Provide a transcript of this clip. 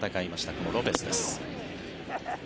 このロペスです。